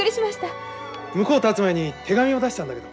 向こうをたつ前に手紙を出したんだけど。